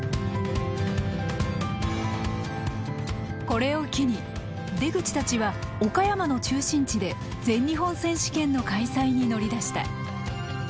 これを機に出口たちは岡山の中心地で全日本選手権の開催に乗り出した。